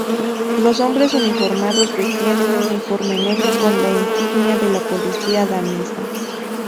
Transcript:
Los hombres uniformados vestían un uniforme negro con la insignia de la policía danesa.